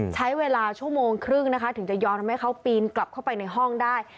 ใช้เวลาชั่วโมงครึ่งนะคะถึงจะยอมทำให้เขาปีนกลับเข้าไปในห้องได้